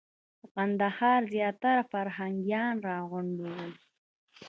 د کندهار زیاتره فرهنګیان راغونډ ول.